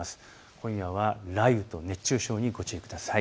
今夜は雷雨と熱中症にご注意ください。